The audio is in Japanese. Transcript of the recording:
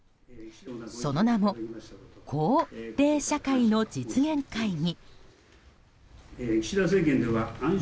その名も幸齢社会の実現会議。